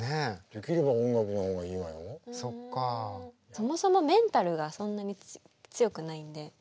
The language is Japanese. そもそもメンタルがそんなに強くないんで。